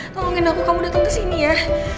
tolongin aku kamu datang kesini ya